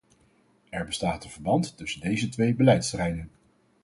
Er bestaat een verband tussen deze twee beleidsterreinen.